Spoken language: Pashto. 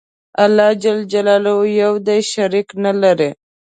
الله ج یو دی. شریک نلري.